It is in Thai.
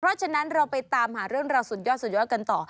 เพราะฉะนั้นเราไปตามหาเรื่องราวสุดยอดสุดยอดกันต่อ